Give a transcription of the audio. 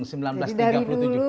jadi dari dulu